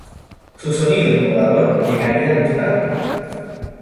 Su sonido innovador llegaría a gustar.